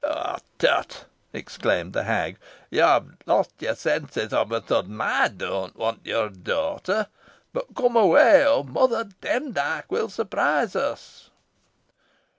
"Tut!" exclaimed the hag, "you have lost your senses on a sudden. I do not want your daughter. But come away, or Mother Demdike will surprise us."